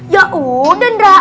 ya udah ndra